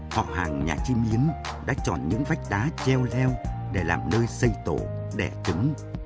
họ hàng nhà chim yến đã chọn những vách đá treo leo để làm nơi xây tổ đẻ trứng